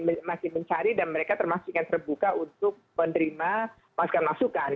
mereka masih mencari dan mereka termasuk yang terbuka untuk menerima masukan masukan